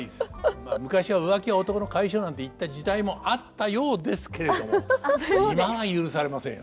まあ昔は「浮気は男の甲斐性」なんて言った時代もあったようですけれども今は許されませんよ